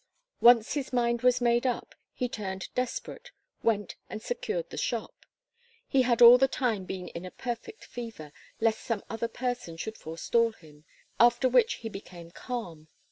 Once, his mind was made up, he turned desperate, went and secured the shop. He had all the time been in a perfect fever, lest some other should forestall him, after which he became calm.